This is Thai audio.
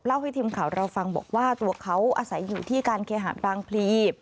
ให้ทีมข่าวเราฟังบอกว่าตัวเขาอาศัยอยู่ที่การเคหาดบางพลี